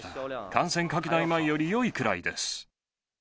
感染拡大前よりよいくらいです。